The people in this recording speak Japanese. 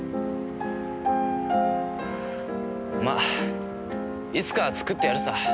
まあいつかは作ってやるさ。